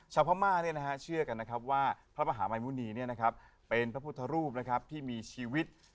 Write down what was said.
ชาวพระม่าเชื่อกันว่าพระมหาใหม่มุนีเป็นพระพุทธรูปที่มีชีวิต